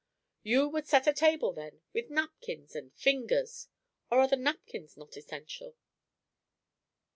"You would set a table, then, with napkins and fingers! Or are the napkins not essential?"